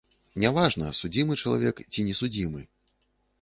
Не важна, судзімы чалавек, ці не судзімы.